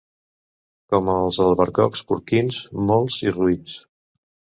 Com els albercocs porquins, molts i roïns.